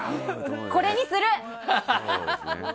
これにする！